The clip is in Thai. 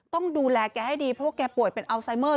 ต้องดูแลแกให้ดีเพราะว่าแกป่วยเป็นอัลไซเมอร์